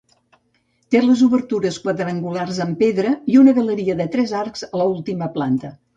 Té les obertures quadrangulars en pedra i una galeria de tres arcs a l'última planta.